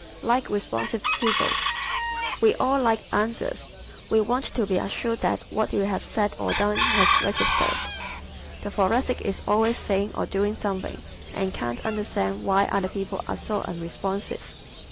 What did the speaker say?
Likes Responsive People ¶ We all like answers. We want to be assured that what we have said or done has registered. The Thoracic is always saying or doing something and can't understand why other people are so unresponsive.